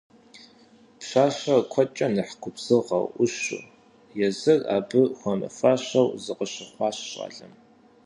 Пщащэр куэдкӀэ нэхъ губзыгъэу, Ӏущуу, езыр абы хуэмыфащэу зыкъыщыхъуащ щӀалэм.